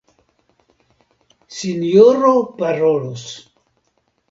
Sinjoro parolos!